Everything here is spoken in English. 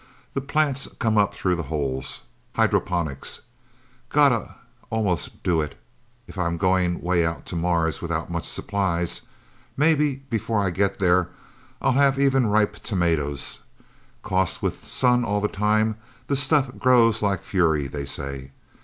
The plants come up through the holes. Hydroponics. Gotta almost do it, if I'm going way out to Mars without much supplies. Maybe, before I get there, I'll have even ripe tomatoes! 'Cause, with sun all the time, the stuff grows like fury, they say.